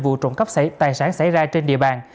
vụ trộm cắp tài sản xảy ra trên địa bàn